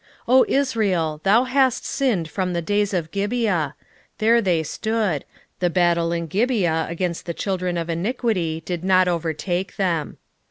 10:9 O Israel, thou hast sinned from the days of Gibeah: there they stood: the battle in Gibeah against the children of iniquity did not overtake them.